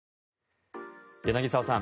柳澤さん